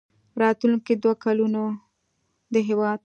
راتلونکي دوه کلونه د هېواد